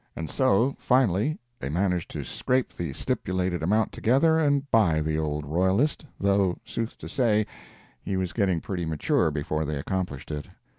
And so, finally, they managed to scrape the stipulated amount together and buy the old royalist, though, sooth to say, he was getting pretty mature before they accomplished it.